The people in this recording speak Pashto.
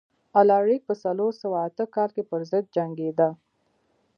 الاریک په څلور سوه اته کال کې پرضد جنګېده.